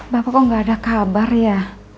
bapak kok gak ada kabar ya